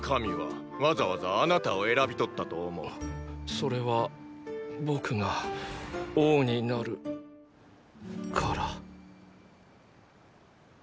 それは僕が王になるから。